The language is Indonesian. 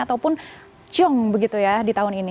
ataupun ciong begitu ya di tahun ini